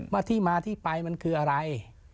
ว่าที่มาที่ไปมันคืออะไร